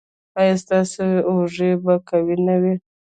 ایا ستاسو اوږې به قوي نه وي؟